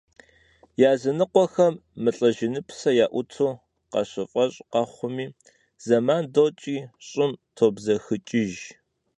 Языныкъуэхэм мылӀэжыныпсэ яӀуту къащыфӀэщӀ къэхъуми, зэман докӀри, щӀым тобзэхыкӀыж.